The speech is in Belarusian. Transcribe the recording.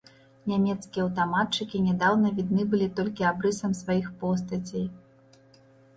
Нямецкія аўтаматчыкі нядаўна відны былі толькі абрысам сваіх постацей.